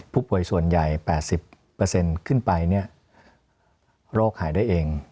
ผู้ป่วยส่วนใหญ่๘๐ขึ้นไปโรคหายได้เอง